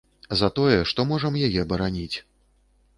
За тое, што можам яе бараніць.